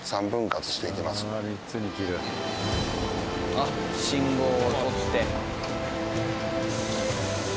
あっ信号を取って。